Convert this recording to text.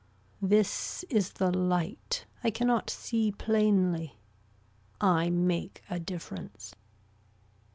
This is the light. I can not see plainly. I make a difference.